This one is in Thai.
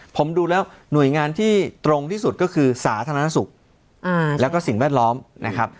ผมดูแล้วหน่วยงานที่ตรงที่สุดก็คือสาธารณสุขแล้วก็สิ่งแวดล้อมนะครับ